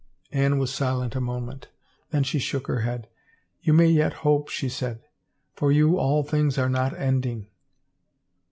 Anne was silent a moment. Then she shook her head. " You may yet hope," she said. " For you all things are not ending."